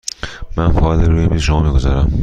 من فایل را روی میز شما می گذارم.